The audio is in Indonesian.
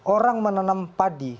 orang menanam padi